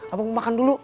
abang makan dulu